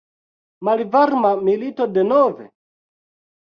Malvarma milito denove?